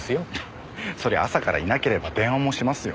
そりゃ朝からいなければ電話もしますよ。